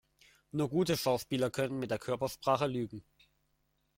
Nur gute Schauspieler können mit der Körpersprache lügen.